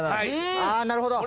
あなるほど。